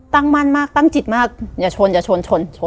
ตั้งมั่นมากตั้งจิตมากอย่าชนอย่าชนชน